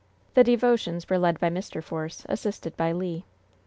The devotions were led by Mr. Force, assisted by Le.